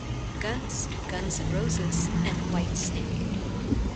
Guns, Guns N' Roses and Whitesnake.